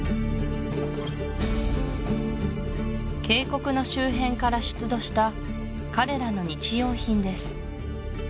渓谷の周辺から出土した彼らの日用品です